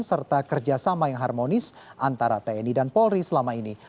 serta kerjasama yang harmonis antara tni dan polri selama ini